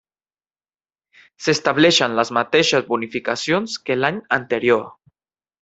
S'estableixen les mateixes bonificacions que l'any anterior.